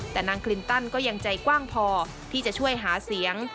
แต่นางคลินตันก็ยังใจกว้างพอที่จะช่วยหาเสียง